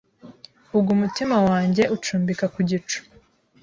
Ubwo umutima wanjye ucumbika ku gicu